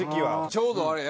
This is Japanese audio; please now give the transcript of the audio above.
ちょうどあれや。